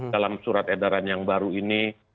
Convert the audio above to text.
dalam surat edaran yang baru ini